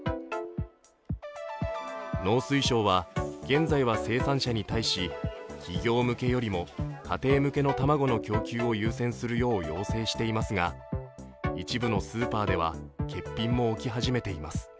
農水省は現在は生産者に対し企業向けよりも、家庭向けの卵の供給を優先するよう要請していますが一部のスーパーでは欠品も起き始めています。